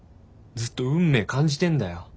ずっと「運命」感じてんだよ。